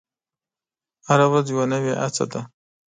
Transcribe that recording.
هره ورځ یوه نوې هڅه ده.